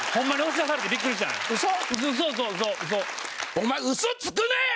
お前嘘つくなよ！